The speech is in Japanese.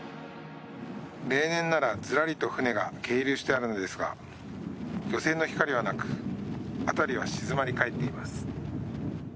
例年ならずらりと船が係留してあるのですが漁船の光はなく辺りは静まり返っています。